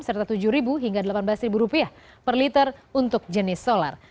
serta tujuh hingga delapan belas rupiah per liter untuk jenis solar